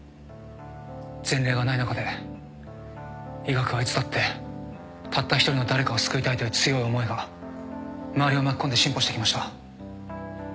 前例がない中で医学はいつだってたった一人の誰かを救いたいという強い思いが周りを巻き込んで進歩してきました。